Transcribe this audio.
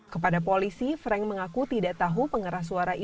kepada polisi frank mengaku tidak tahu pengeras suara istri